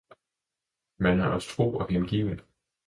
Men han er os tro og hengiven!